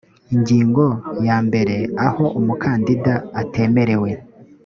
ingingo yambere aho umukandida atemerewe